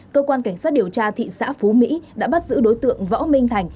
cơ quan cảnh sát điều tra thị xã phú mỹ đã bắt giữ đối tượng võ minh thành